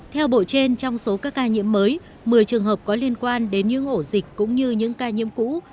theo bộ trên trong số các ca nhiễm mới một mươi trường hợp có liên quan đến những ổ dịch cũng như những ca nhiễm cũ